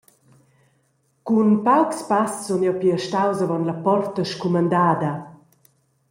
Cun paucs pass sun jeu pia staus avon la porta scumandada.